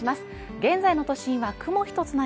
現在の都心は雲一つない